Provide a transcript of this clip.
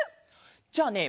じゃあね